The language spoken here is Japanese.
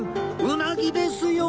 うなぎですよ！